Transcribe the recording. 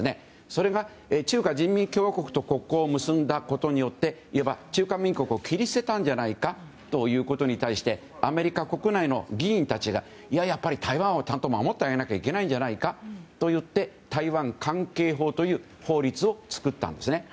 それが中華人民共和国と国交を結んだことでいわば中華民国を切り捨てたんじゃないかということに対して、アメリカ国内の議員たちが、いやいや台湾は守ってあげないといけないんじゃないかと言って台湾関係法という法律を作ったんですね。